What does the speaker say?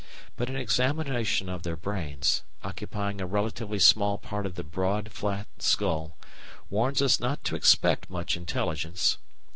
But an examination of their brains, occupying a relatively small part of the broad, flat skull, warns us not to expect much intelligence.